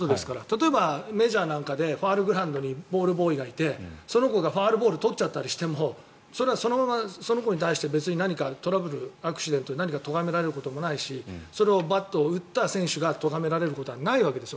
例えばメジャーなんかでファウルグラウンドにボールボーイがいてその子がファウルボールを取ってもそれはそのままその子に対してトラブル、アクシデントでとがめられることもないしそれをバットを打った選手がとがめられることはないんです。